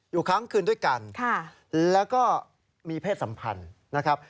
ครั้งคืนด้วยกันแล้วก็มีเพศสัมพันธ์นะครับ